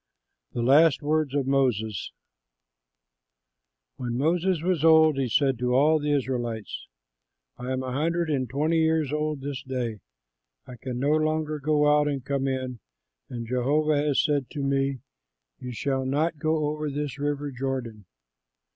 THE LAST WORDS OF MOSES When Moses was old, he said to all the Israelites, "I am a hundred and twenty years old this day. I can no longer go out and come in, and Jehovah has said to me, 'You shall not go over this river Jordan.'